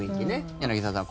柳澤さん